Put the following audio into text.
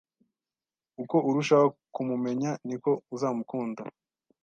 Uko urushaho kumumenya, niko uzamukunda